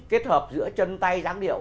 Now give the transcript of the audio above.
kết hợp giữa chân tay ráng điệu